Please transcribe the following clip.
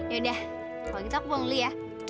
ya udah kalau gitu aku pulang dulu ya